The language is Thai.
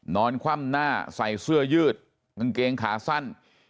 คว่ำหน้าใส่เสื้อยืดกางเกงขาสั้น